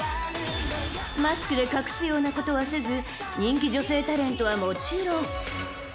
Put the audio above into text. ［マスクで隠すようなことはせず人気女性タレントはもちろん］